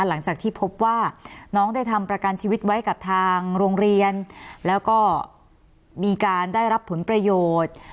หลังจากที่พบว่าน้องได้ทำประกันชีวิตไว้กับทางโรงเรียนแล้วก็มีการได้รับผลประโยชน์